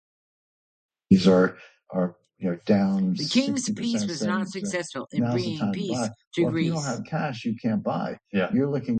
The King's Peace was not successful in bringing peace to Greece.